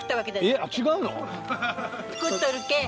えっ違うの？